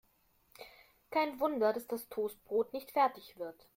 Kein Wunder, dass das Toastbrot nicht fertig wird.